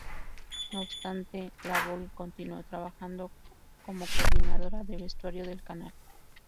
No obstante, la Bogue continuó trabajando como Coordinadora de Vestuario del canal.